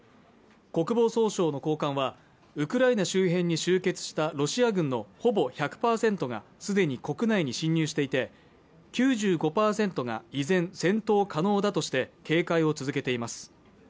国防総省の高官はウクライナ周辺に集結したロシア軍のほぼ１００％がすでに国内に侵入していて９５％が依然、戦闘可能だとして警戒を続けています